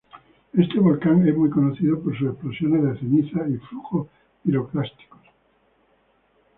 Este volcán es muy conocido por sus explosiones de cenizas y flujos piroclásticos.